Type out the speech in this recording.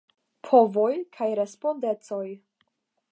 Povoj kaj respondecoj.